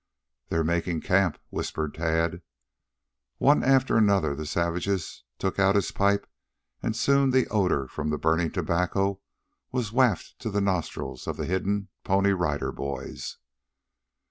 "They're making camp," whispered Tad. One after another of the savages took out his pipe, and soon the odor from burning tobacco was wafted to the nostrils of the hidden Pony Rider Boys.